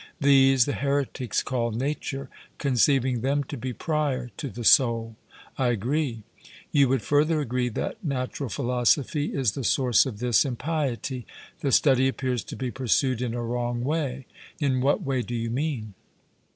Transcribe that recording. These the heretics call nature, conceiving them to be prior to the soul. 'I agree.' You would further agree that natural philosophy is the source of this impiety the study appears to be pursued in a wrong way. 'In what way do you mean?'